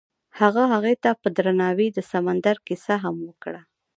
هغه هغې ته په درناوي د سمندر کیسه هم وکړه.